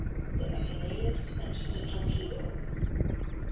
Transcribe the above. THE ECHENEÏS AND THE TORPEDO.